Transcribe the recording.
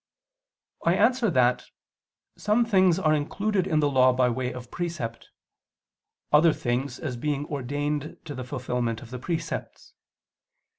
I answer that, Some things are included in the Law by way of precept; other things, as being ordained to the fulfilment of the precepts.